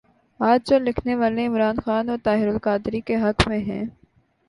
آج جو لکھنے والے عمران خان اور طاہرالقادری کے حق میں ہیں۔